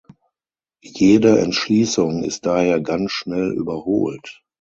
Jede Entschließung ist daher ganz schnell überholt.